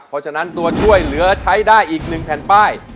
เพราะฉะนั้นตัวช่วยเหลือใช้ได้อีก๑แผ่นป้าย